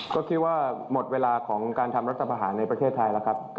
ก็คิดว่าหมดเวลาของการทำรัฐประหารในประเทศไทยแล้วครับ